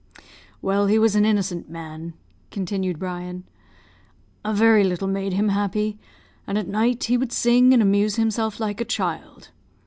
Well, he was an innocent man," continued Brian; "a very little made him happy, and at night he would sing and amuse himself like a child.